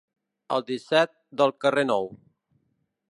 El disset del carrer Nou.